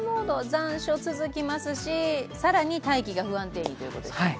残暑続きますし、更に大気が不安定にということですね。